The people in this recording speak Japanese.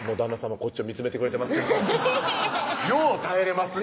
こっちを見つめてくれてますけどよう耐えれますね